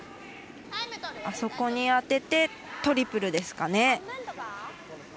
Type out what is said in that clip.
あそこに当ててトリプルですかね。